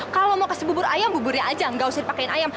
kalau mau kasih bubur ayam buburnya aja nggak usah dipakain ayam